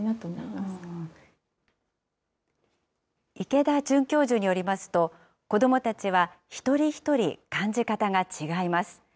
池田准教授によりますと、子どもたちは一人一人感じ方が違います。